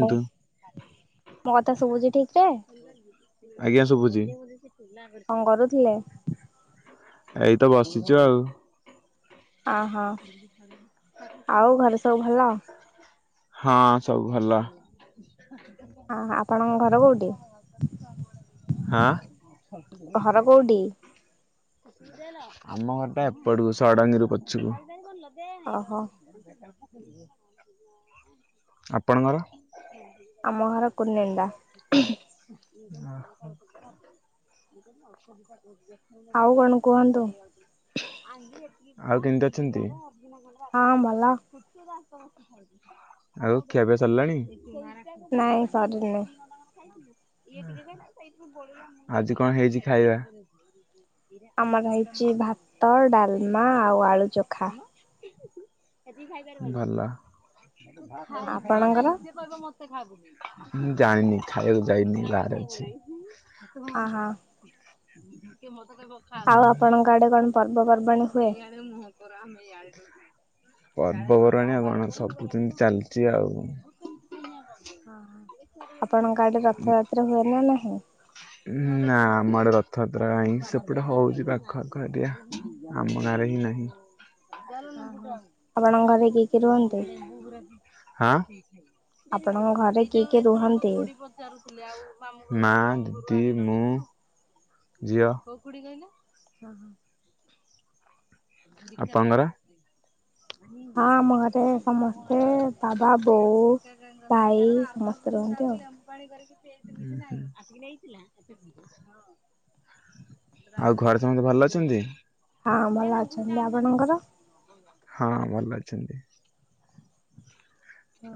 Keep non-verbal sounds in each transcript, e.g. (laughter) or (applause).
ହଁ ମୋ କଥା ଶୁଭୁଛି ଠିକ ରେ? ଆଜ୍ଞା ଶୁଭୁଛି। କଣ କରୁଥିଲେ? ଏଇ ତ ବସିଛୁ ଆଉ ଅହୋ ଆଉ ଘରେ ସବୁ ଭଲ? ହଁ ସବୁ ଭଲ। (inaudible) ହଁ ଆପଣଙ୍କ ଘର କୋଉଠି? ହାଁ? ଘର କୋଉଠି? ଆମ ଘରଟା ଏପଡକୁ ଷଡ଼ଙ୍ଗିରୁ ପଛୁକୁ। ଓହୋ (inaudible) ଆପଣଙ୍କର? ଆମ ଘର କୁନେଣ୍ଡା। (inaudible) ଆଉ କଣ କୁହନ୍ତୁ? ଆଉ କେମିତି ଅଛନ୍ତି? ହଁ ଭଲ। ଆଉ ଖିଆ ପିଆ ସରିଲାଣି? (inaudible) ନାଇଁ ସରିନି ଆଜି କଣ ହେଇଛି ଖାଇବା? ଆମର ହେଇଛି ଭାତ ଡାଲମା ଆଉ ଆଳୁ ଚୋଖା ଭଲ। ହଁ ଆପଣଙ୍କର? ମୁଁ ଯାଣିନି ଖାଇବାକୁ ଯାଇନି ବାହାରେ ଅଛି। ଅହ କିଏ ମତେ କହିବ? ଆଉ ଆପଣଙ୍କ ଆଡେ କଣ ପର୍ବ ପର୍ବାଣୀ? ସେଇଆଡେ ମୁହଁ ପରା ଆମେ ଜାଣିଲୁ। ପର୍ବପର୍ବାଣୀ ଆଉ କଣ, ସବୁଦିନ ଚାଲିଚି ଆଉ। ହଁ, ଆପଣଙ୍କ ଆଡେ ରଥଯାତ୍ରା ହୁଏ ନା ନାହିଁ? ନା, ଆମ ଆଡ଼େ ରଥଯାତ୍ରା ନାହିଁ, ସେପଟେ ହଉଛି ପାଖ ଆଖ ଏରିଆ। ଆମ ଗାଁରେ ହିଁ ନାହିଁ। ଆପଣଙ୍କ ଘରେ କିଏ କିଏ ରୁହନ୍ତି? ହାଁ? ଆପଣଙ୍କ ଘରେ ଏ କିଏ ଯୋଉ କିଏ ଏଥରକ ରୁହନ୍ତି? ଖୁଡି ପ ମା, ଦିଦି, ମୁଁ, ଝିଅ ହଁ ହଁ। ଆପଣଙ୍କର? ହଁ, ଆମ ଘରେ ସମସ୍ତେ, ବାବା, ବୋଉ, ଭାଇ ସମସ୍ତେ ରହନ୍ତି ଆଉ। ହୁଁ ହୁଁ। ଆଉ ଘରେ ସମସ୍ତେ ଭଲ ଅଛନ୍ତି? ହଁ ଭଲ ଅଛନ୍ତି, ଆପଣଙ୍କର? ହଁ ଭଲ ଅଛନ୍ତି।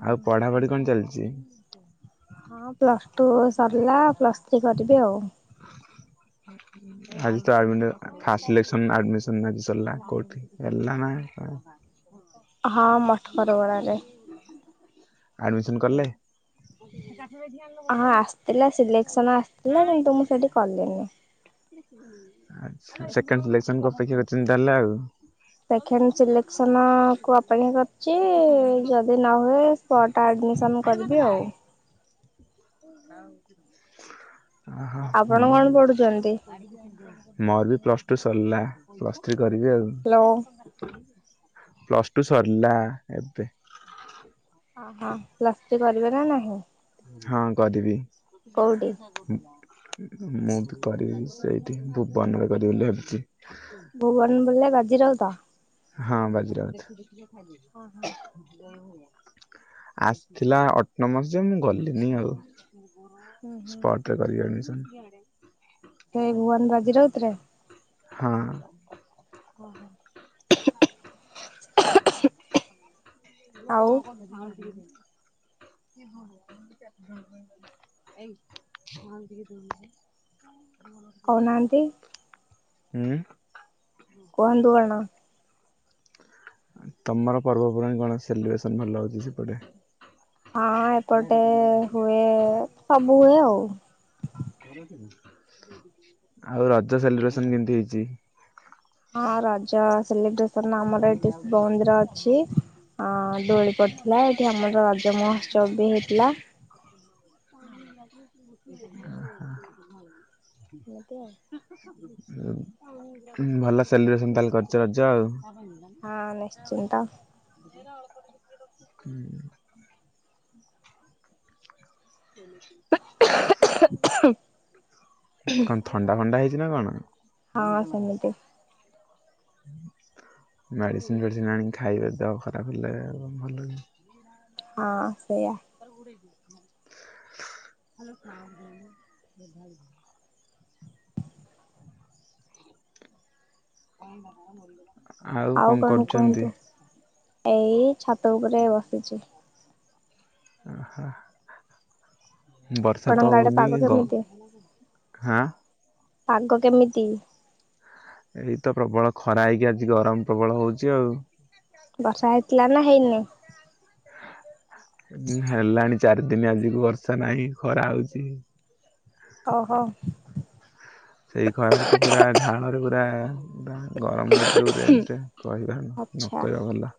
ଆଉ ପଢାପଢି କଣ ଚାଲିଚି? ହଁ ପ୍ଲସ ଟୁ ସରିଲା, ପ୍ଲସ୍ ଥ୍ରୀ କରିବି ଆଉ। (unintelligible) ଆଜି ତ ଫାଷ୍ଟ ସିଲେକ୍ସନ ଆଡମିସନ ଆଜି ସରିଲା, କୋଉଠି ହେଲା ନାହିଁ? ହଁ (unintelligible) ମଠକରଗଡ଼ାରେ। ଆଡମିସନ କଲେ? ହଁ ଆସିଥିଲା, ସିଲେକ୍ସନ ଆସିଥିଲା, କିନ୍ତୁ ମୁଁ ସେଠି କଲିନି। ଆଛା, ସେଖେଣ୍ଡ ସିଲେକ୍ସନକୁ ଅପେକ୍ଷା କରିଚନ୍ତି ତାହେଲେ ଆଉ। ସେଖେଣ୍ଡ ସିଲେକ୍ସନ କୁ ଅପେକ୍ଷା କରି ଛି, ଯଦି ନ ହୁଏ, ସ୍ପଟା ଆଡ଼ମିସନ୍ କରିବି ଆଉ। (unintelligible) ଆପଣ କଣ ପଢ଼ୁଛନ୍ତି? ମୋର ବି ପ୍ଲସ ଟୁ ସରିଲା, ପ୍ଲସ୍ ଥ୍ରୀ କରିବି ଆଉ। ହ୍ୟାଲୋ ପ୍ଲସ ଟୁ ସରିଲା ଏବେ। ଓହୋ, ପ୍ଲସ ଥ୍ରୀ କରିବେ ନା ନାହିଁ? ହଁ, କରିିବି। କୋଉଠି? ମୁଁ କରିବି ସେଇଠି, ଭୁବନ ରେ କରିବି ବୋଲି ଭାବିଚି। ଭୁବନ ବୋଲେ, ବାଜି ରାଉତ? ହଁ, ବାଜି ରାଉତୁ। ଆସିଥିଲା ଅଟୋମସ ଯେ, ମୁଁ ଗଲିନି ଆଉ। ହୁଁ ହୁଁ ସ୍ପଟ ରେ କରିବି ଆଡିମିଶନ। ସେଇ ଭୁବନ ବାଜି ରାଉତୁ ରେ? ହଁ। (unintelligible) ଆଉ (unintelligible) (unintelligible) କହୁନାହାନ୍ତି ହୁଁ। କୁହନ୍ତୁ କଣ? ତମର ପର୍ବପର୍ବାଣି କଣ ସେଲିବ୍ରେସନ ଭଲ ହଉଛି ସେପଟେ? ହଁ, ଏପଟେ ହୁଏ, ସବୁ ହୁଏ ଆଉ। ଆଉ ରଜ ସେଲିବ୍ରେସନ କେମତି ହେଇଚି? ହଁ ରଜା ସେଲିବ୍ରେସନ ଆମର ଏଠି ଶିବ ମନ୍ଦିର ଅଛି ଅ ଦୋଳି ପଡ଼ିଥିଲା ଏଠି ଆମର ରଜ ମହୋତ୍ସବ (unintelligible) ହେଇଥିଲା। (unintelligible) ଏମିତି ଆଉ। (inaudible) ଭଲ ସେଲିବ୍ରେସନ ତାହେଲେ କରିଚ ରଜ ଆଉ। ହଁ ନିଶ୍ଚିନ୍ତ। ଅଳ୍ପ (unintelligible) କରିଚି। (unintelligible) କଣ ଥଣ୍ଡା ଫଣ୍ଡା ହେଇଛି ନା କଣ? ହଁ ସେମିତି। ମେଡିସିନ ଫେଡିସିନ ଆଣିକି ଖାଇବେ ଦେହ ଖରାପ ହେଲେ ଆଉ। ହଁ ସେଇଆ। (unintelligible) ଆଉ କଣ କରୁଛନ୍ତି? ଏଇ ଛାତ ଉପରେ ବସିଛି। ଓହ ବର୍ଷା ତ ଆପଣଙ୍କ ଆଡେ ହୋଉନି ପାଗ ଗ କେମିତି ଆଁ ପାଗ କେମିତି? ଏଇ ତ ପ୍ରବଳ ଖରା ହେଇକି ଆଜି ଗରମ ପ୍ରବଳ ହୋଉଚି ଆଉ। ବର୍ଷା ହେଇଥିଲା ନା ହେଇନି? ହେଲାଣି ଚାରି ଦିନ ଆଜିକୁ ବର୍ଷା ନାହିଁ ଖରା ହୋଉଛି। ଓହୋ। ସେଇ ଖରା ରେ ତ ପୁରା ଝାଳ ରେ ପୁରା। ତାହା ଗରମ ହେଉଛି ଯୋଉ ରେଟରେ କହିବା ନ ଆଚ୍ଛା। କହିବା ଭଲ।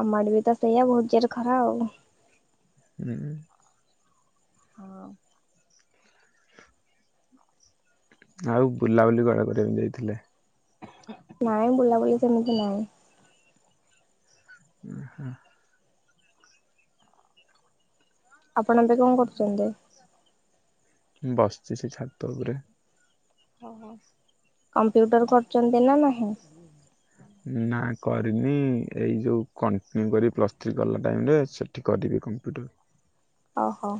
ଆମ ଆଡେ ବି ତ ସେଇଆ ବହୁତ ଜୋରେ ଖରା ଆଉ। ହୁଁ। ହଁ। ଆଉ ବୁଲାବୁଲି କୁଆଡେ କରିବାକୁ ଯାଇଥିଲେ? ନାଇଁ ବୁଲା ବୁଲି ସେମିତି ନାଇଁ। (inaudible) ଆପଣ ଏବେ କଣ କରୁଛନ୍ତି? ବସିଚ ସେ ଛାତ ଉପରେ। ଓ କମ୍ପ୍ୟୁଟର କରୁଛନ୍ତି ନା ନାହିଁ? ନା କରିନି ଏଇ ଯୋଉ କଣ୍ଟିନ୍ୟୁ କରି ପ୍ଲସ୍ ଥ୍ରୀ କଲା ଟାଇମରେ (unintelligible) ଠିକ କରିବି କମ୍ପ୍ୟୁଟର। ଓହୋ।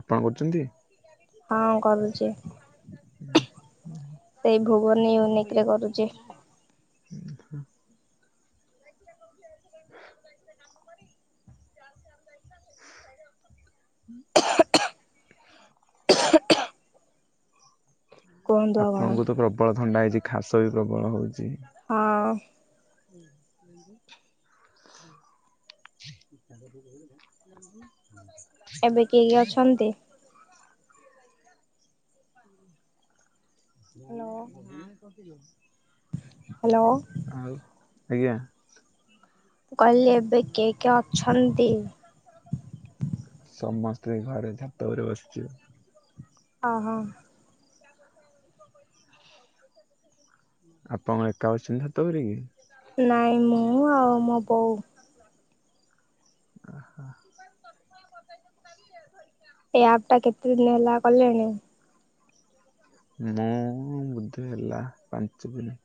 ଆପଣ କରୁଛନ୍ତି? ହଁ କରୁଛି। (unintelligible) ସେଇ ଭୁବନୀ ୟୁନିକ ରେ କରୁଛି। ହୁଁ ହୁଁ। କୁହନ୍ତୁ ଆଉ କଣ ଆପଣଙ୍କୁ ତ ପ୍ରବଳ ଥଣ୍ଡା ହେଇଛି ଖାସ ବି ପ୍ରବଳ ହୋଉଛି। ହଁ ହୁଁ। (inaudible) ହ (inaudible) ଏବେ କିଏ କିଏ ଅଛନ୍ତି? (inaudible) ହ୍ୟାଲୋ। ଆଉ ଆଜ୍ଞା। କହିଲି ଏବେ କିଏ କିଏ ଅଛନ୍ତି? ସମସ୍ତେ ଘରେ ଛାତ ଉପରେ ବସିଚୁ। ଓହୋ। ଆପଣ କଣ ଏକା ବସିଛନ୍ତି ଛାତ ଉପରେ କି? ନାଇଁ ମୁଁ ଆଉ ମୋ ବୋଉ। (inaudible) ଏ ଆପ୍ ଟା କେତେ ଦିନ ହେଲା କଲେଣି? ମୁଁ ବଧେ ହେଲା ପାଞ୍ଚ ଦିନ।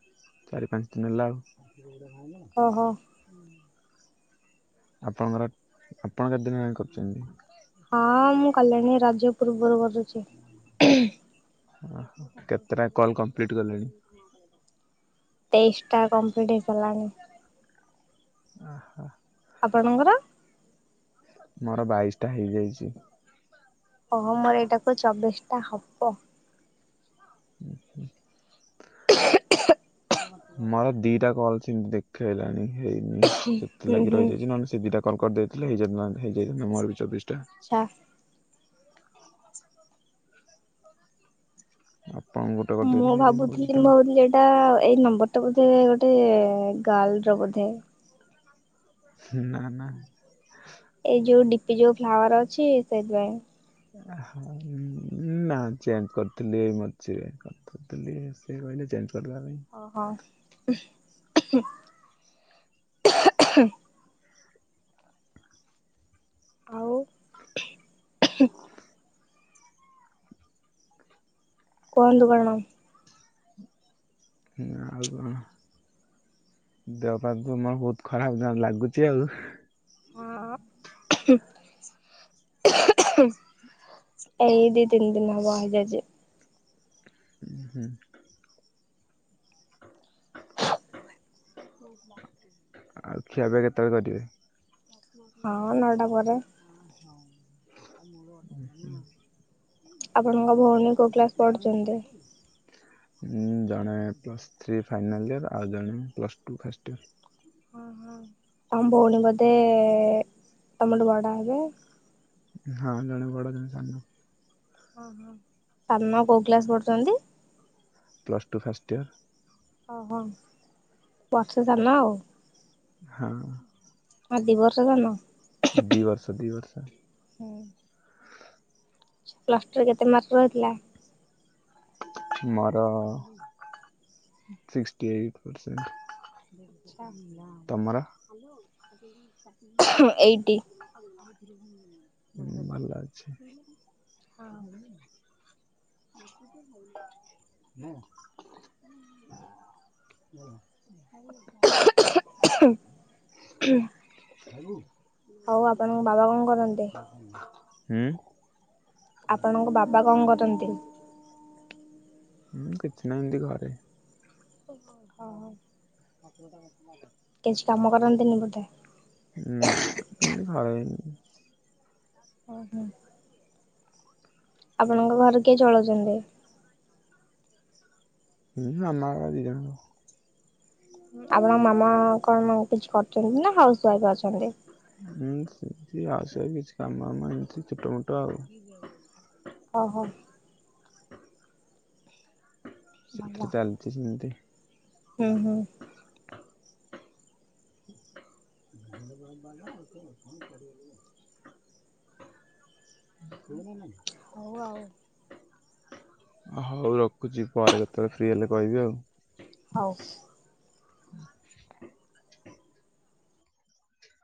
ଚାରି ପାଞ୍ଚ ଦିନ ହେଲା ଆଉ ଓହୋ ଆପଣଙ୍କର ଆପଣ କେତେ ଦିନହେଲାଣି କରୁଛନ୍ତି? ହଁ ମୁଁ କଲିଣି ରଜ ପୂର୍ବରୁ କରୁଛି। ଓହ କେତେଟା କଲ କମ୍ପ୍ଲିଟ କଲେଣି? ତେଇଶଟା କମ୍ପ୍ଲିଟ୍ ହେଇଗଲାଣି। ଓହୋ। ଆପଣଙ୍କର? ମୋର ବାଇଶଟା ହେଇଯାଇଛି। ଓହ ମୋର ଏଇଟାକୁ ଚବିଶ ଟା ହବ। ମୋର ଦିଟା କଲ ସିମିତି ଦେ ଖେଇଲାଣି ହେଇନି ହୁଁ ସେଥିଲାଗି ହୁଁ। ରହିଯାଇଛି ନହେଲେ ସେ ଦିଟା କଲ୍ କରିଦେଇଥିଲେ ହେଇଯାଇନ୍ତା ହେଇଯାଇଥାନ୍ତା ମର ବି ଚବିଶଟା। ଆଛା। ଆପଣଙ୍କୁ ଗୋଟେ ମୁଁ କରିଦେଇଥିଲେ ହେଇଯାଇଥାନ୍ତା ଭାବୁଥିଲି ପଚିଶଟା ଆଉ। ମୋର ଲେଟ। ଏଟା ଏଇ ନମ୍ବର ଟା ବୋଧେ ଗୋଟେ ଗାର୍ଲର ବୋଧେ? ହୁଁ ନା ନା। ଏଇ ଯୋଉ ଡିପି ଯୋଉ ଫ୍ଲାୱାର ଅଛି ସେଇଥିପାଇଁ। ନା ଚେଞ୍ଜ କରିଥିଲି ଏଇ ମଝିରେ ଏକା ଲି ସେ କହିଲେ ଚେଞ୍ଜ କରିବା ପାଇଁ ଓହୋ ହଁ ଆଉ କୁହନ୍ତୁ କଣ? ହଁ ଆଉ କଣ ଦେହପା ତ ମୋର ବହୁତ ଖରାପ ଲାଗୁଛି ଆଉ ହଁ ଏଇ ଦି ତିନି ଦିନ ହବ ହେଇଯାଉଛି। ହୁଁ ହୁଁ ଆଉ ଖିଆ ପିଆ କେତେବେଳେ କରିବେ? ହଁ ନଅଟା ପରେ। ହଁ ଆପଣଙ୍କ ଭଉଣୀ କୋଉ କ୍ଲାସ ପଢୁଛନ୍ତି? ଉଁ, ଜଣେ ପ୍ଲସ୍ ଥ୍ରୀ ଫାଇନାଲ୍ ଇୟର୍, ଆଉ ଜଣେ ପ୍ଲସ୍ ଟୁ ଫାଷ୍ଟ ଇୟର୍। ତୋମ ଭଉଣୀ ବୋଧେ ତୋମଠୁ ବଡ ହେବେ? ହଁ ଜଣେ ବଡ଼, ଜଣେ ସାନ। ଓହୋ, ସାନ କୋଉ କ୍ଲାସ୍ ପଢୁଛନ୍ତି? Plus two first year. ଓହୋ, ବର୍ଷେ ସାନ ଆଉ। ହଁ। ନା ଦିବର୍ଷ ସାନ? ଦି ବର୍ଷ, ଦି ବର୍ଷ ସାନ। ହଁ। ପ୍ଲସ୍ ଟୁ ରେ କେତେ ମାର୍କ ରହିଥିଲା? ମୋର ସିକ୍କଟି ଏଇଟ୍ ପର୍ସେଣ୍ଟ, ତୋମର? ହାଲୋ (inaudible) ହଁ ଏଇଟି ମୁଁ ବି ଭଲ ଅଛି। ହଁ ଆପଣ (inaudible) ନା ଭଲ ହ (unintelligible) ହଉ ଆପଣଙ୍କ ବାବା କଣ କରନ୍ତି? ହୁଁ। ଆପଣଙ୍କ ବାବା ହୁଁ କଣ କରନ୍ତି? କିଛି ନାଇ ଏମତି ଘରେ। ଓ ହଁ। (unintelligible) ଓ ବାଇଗଣ। କିଛି କାମ କରନ୍ତିନି ବୋଧେ? ନା ଏମତି ଘରେ ମୁଁ। ଓ ହଁ। ଆପଣଙ୍କ ଘରେ କିଏ ଚଳଉଛନ୍ତି? ହୁଁ, ମାମା, ବାବା ଦିଜଣ। ଆପଣଙ୍କ ମାମା କଣ ମ-କିଛି କରିଚନ୍ତି ନା ହାଉସ୍ ୱାଇଫ୍ ଅଛନ୍ତି? ହୁଁ, ସେମତି ହାଉସ୍ ୱାଇଫ୍ କିଛି କାମ ମାମ ଏମିତି ଛୋଟମୋଟ ଆଉ। ଓହୋ। ସେଇଥିରେ ଚାଲିଚି ସେମିତି। ହଁ, ହଁ। (inaudible) (inaudible) ହଉ ଆଉ। ହଉ ରଖୁଚି ପରେ କେତେବେଳେ ଫ୍ରି ହେଲେ କହିବି ଆଉ। ହଉ। (inaudible)